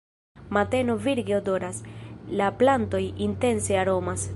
Mateno virge odoras, la plantoj intense aromas.